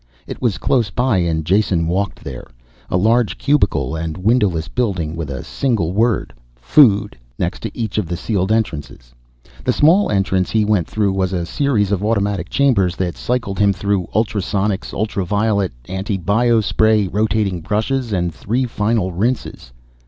It was close by and Jason walked there. A large, cubical, and windowless building, with the single word food next to each of the sealed entrances. The small entrance he went through was a series of automatic chambers that cycled him through ultrasonics, ultraviolet, antibio spray, rotating brushes and three final rinses.